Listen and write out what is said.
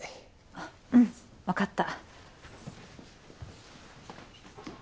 あっうんわかった。